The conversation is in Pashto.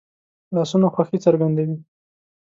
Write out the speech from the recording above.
لاسونه خوښي څرګندوي